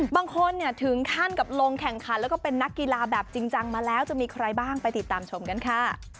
บางคนถึงขั้นกับลงแข่งขันแล้วก็เป็นนักกีฬาแบบจริงจังมาแล้วจะมีใครบ้างไปติดตามชมกันค่ะ